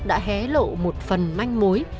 đã hé lộ một phần manh mối